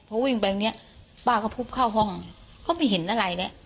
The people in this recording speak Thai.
พอวิ่งไปตรงเนี้ยป้าก็พุบเข้าห้องก็ไม่เห็นอะไรแล้ว